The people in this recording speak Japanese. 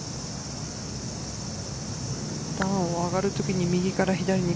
段を上がるときに右から左に